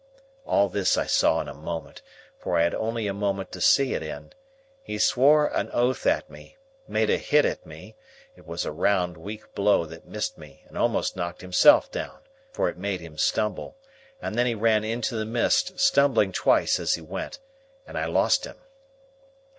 All this I saw in a moment, for I had only a moment to see it in: he swore an oath at me, made a hit at me,—it was a round weak blow that missed me and almost knocked himself down, for it made him stumble,—and then he ran into the mist, stumbling twice as he went, and I lost him.